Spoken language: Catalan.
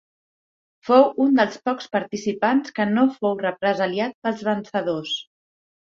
Fou un dels pocs participants que no fou represaliat pels vencedors.